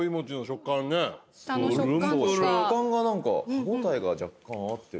食感が何か歯応えが若干あって。